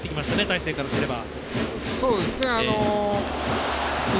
大勢からすれば。